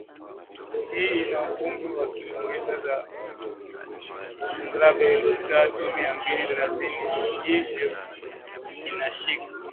hii ina ukubwa wa kilometa za mraba elfu tatu mia mbili thelathini hivyo inashika